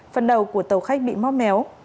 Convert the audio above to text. phần đầu của tàu khách bị móp méo